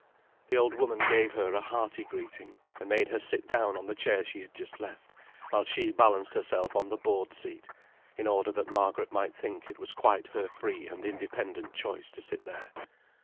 The old woman gave her a hearty greeting, and made her sit down on the chair she had just left, while she balanced herself on the board seat, in order that Margaret might think it was quite her free and independent choice to sit there.